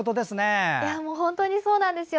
本当にそうなんですよ。